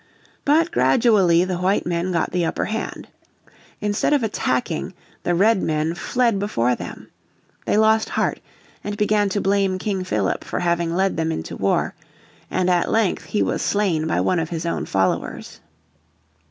But gradually the white men got the upper hand. Instead of attacking, the Redmen fled before them. They lost heart and began to blame King Philip for having led them into war, and at length he was slain by one of his own followers.